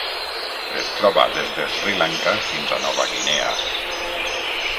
Es troba des de Sri Lanka fins a Nova Guinea.